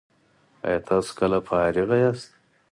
ایا تاسو کله فارغ یاست؟